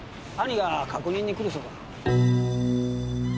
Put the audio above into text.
兄が確認に来るそうだ。